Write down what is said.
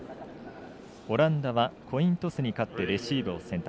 オランダはコイントスに勝ってレシーブを選択。